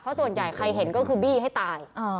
เพราะส่วนใหญ่ใครเห็นก็คือบี้ให้ตาย